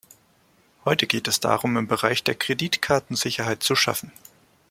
Heute geht es darum, im Bereich der Kreditkarten Sicherheit zu schaffen.